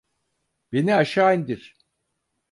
Beni aşağı indir!